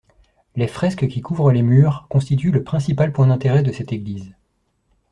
Les fresques qui couvrent les murs constituent le principal point d’intérêt de cette église.